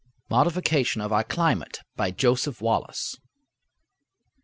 MODIFICATION OF OUR CLIMATE. By JOSEPH WALLACE.